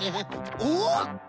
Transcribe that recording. おっ！